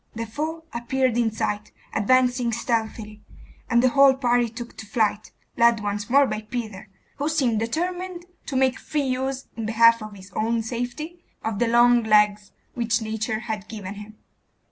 The foe appeared in sight, advancing stealthily, and the whole party took to flight, led once more by Peter, who seemed determined to make free use, in behalf of his own safety, of the long legs which nature had given him.